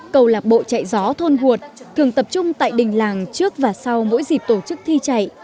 cầu lạc bộ chạy gió thôn thường tập trung tại đình làng trước và sau mỗi dịp tổ chức thi chạy